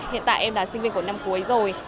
hiện tại em là sinh viên của năm cuối rồi